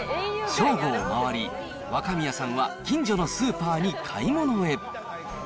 正午を回り、若宮さんは近所のスーパーに買い物へ。